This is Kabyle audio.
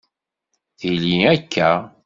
Tili akka